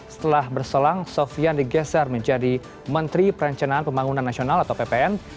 setelah berselang sofian digeser menjadi menteri perencanaan pembangunan nasional atau ppn